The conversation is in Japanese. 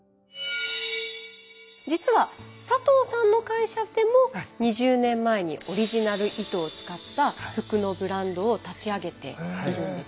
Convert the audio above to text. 実は佐藤さんの会社でも２０年前にオリジナル糸を使った服のブランドを立ち上げているんですよね。